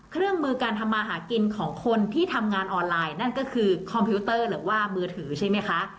เครื่องมือการทำมาหากินของคนที่ทำงานออนไลน์นั่นก็คือคอมพิวเตอร์หรือว่ามือถือใช่ไหมคะ